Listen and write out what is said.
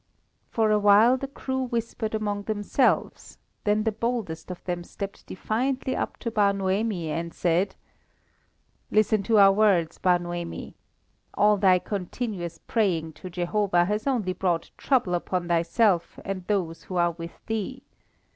For a while the crew whispered among themselves, then the boldest of them stepped defiantly up to Bar Noemi, and said "Listen to our words, Bar Noemi! All thy continuous praying to Jehovah has only brought trouble upon thyself and those who are with thee.